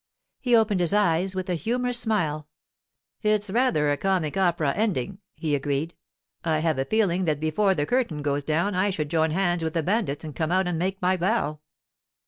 He opened his eyes with a humorous smile. 'It's rather a comic opera ending,' he agreed. 'I have a feeling that before the curtain goes down I should join hands with the bandits and come out and make my bow.